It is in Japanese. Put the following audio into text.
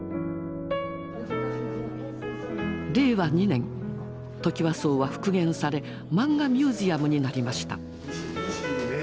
令和２年トキワ荘は復元されマンガミュージアムになりました。